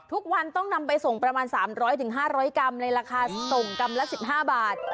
ทุกวันต้องนำไปส่งประมาณสามร้อยถึงห้าร้อยกรัมในราคาส่งกรัมละสิบห้าบาท